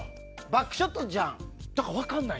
バックショットじゃん。